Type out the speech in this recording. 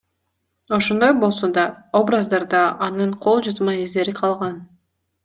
Ошондой болсо да, образдарда анын кол жазма издери калган.